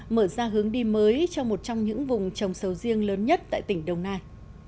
mở ra hướng đi mới cho một trong những vùng trồng sầu riêng lớn nhất tại tỉnh đồng nai